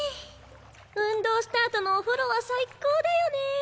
運動した後のお風呂は最高だよねぇ！